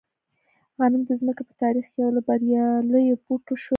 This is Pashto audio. غنم د ځمکې په تاریخ کې یو له بریالیو بوټو شو.